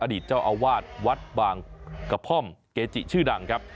อดีตเจ้าอาวาสวัดบางกระท่อมเกจิชื่อดังครับ